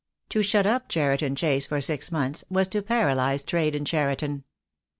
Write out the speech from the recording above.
To shut up Cheriton Chase for six months was to paralyse trade in Cheriton.